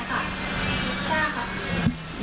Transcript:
ใช่ค่ะ